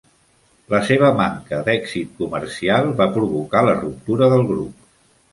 La seva manca d'èxit comercial va provocar la ruptura del grup.